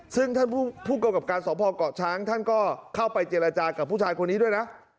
ซึ่งท่านผู้กำกับการสอบพอเกาะช้างท่านก็เข้าไปเจรจากับผู้ชายคนนี้ด้วยนะ